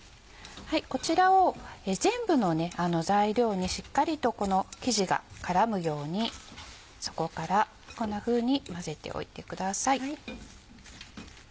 こちらを全部の材料にしっかりとこの生地が絡むように底からこんなふうに混ぜておいてください。